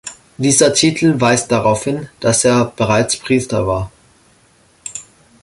Dieser Titel weist darauf hin, dass er bereits Priester war.